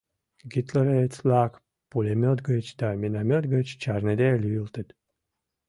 Гитлеровец-влак пулемёт гыч да миномет гыч чарныде лӱйылтыт.